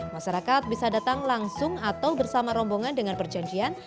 masyarakat bisa datang langsung atau bersama rombongan dengan perjanjian